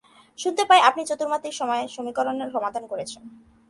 শুনতে পাই আপনি চতুর্মাত্রিক সময় সমীকরণের সমাধান করেছেন?